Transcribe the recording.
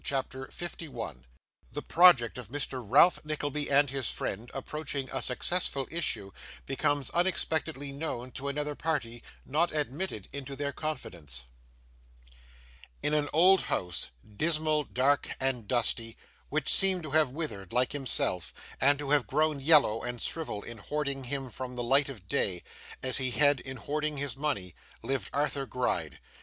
CHAPTER 51 The Project of Mr. Ralph Nickleby and his Friend approaching a successful Issue, becomes unexpectedly known to another Party, not admitted into their Confidence In an old house, dismal dark and dusty, which seemed to have withered, like himself, and to have grown yellow and shrivelled in hoarding him from the light of day, as he had in hoarding his money, lived Arthur Gride.